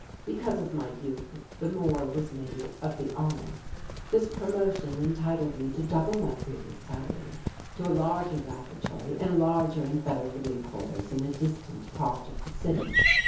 Because of my youth the more was made of the honour. This promotion entitled me to double my previous salary, to a larger laboratory and larger and better living quarters in a distant part of the city.